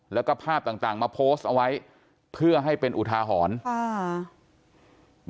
แล้วก็ภาพต่างต่างมาโพสต์เอาไว้เพื่อให้เป็นอุทาหรณ์ค่ะ